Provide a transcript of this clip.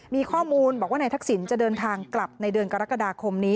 มีข้อมูลบอกว่านายทักษิณจะเดินทางกลับในเดือนกรกฎาคมนี้